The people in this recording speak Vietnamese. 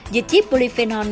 dịch chiếc polyphenol